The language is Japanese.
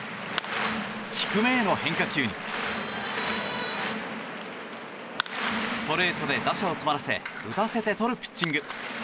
低めの変化球にストレートで打者を詰まらせ打たせてとるピッチング。